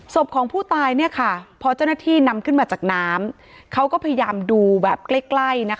สมของผู้ตายเนี่ยนำขึ้นมาจากน้ำเขาก็พยายามดูแบบใกล้